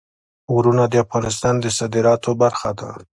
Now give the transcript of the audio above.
غرونه د افغانستان د صادراتو برخه ده.